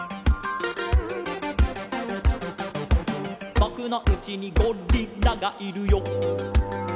「ぼくのうちにゴリラがいるよ」